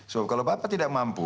so kalau bapak tidak mampu